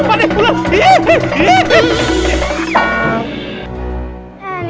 pak dek pulang